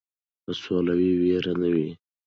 که سوله وي ویره نه وي.